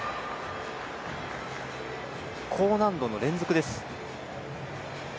高難度の連続です。